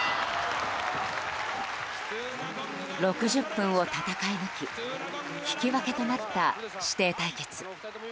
６０分を戦い抜き引き分けとなった師弟対決。